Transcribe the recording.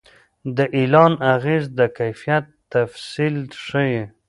د اعلان اغېز د کیفیت تفصیل ښيي.